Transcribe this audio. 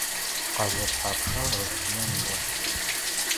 Къэлэ тхьапша Россием иӏэр?